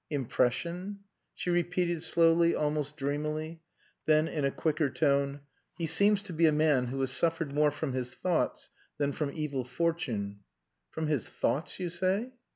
"Impression?" she repeated slowly, almost dreamily; then in a quicker tone "He seems to be a man who has suffered more from his thoughts than from evil fortune." "From his thoughts, you say?"